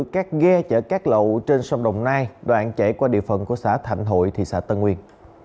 các ghe chở cát lậu trên sông đồng nai đoạn chảy qua địa phận của xã thạnh hội thị xã tân nguyên